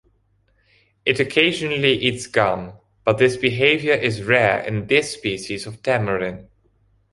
It occasionally eats gum, but this behavior is rare in this species of tamarin.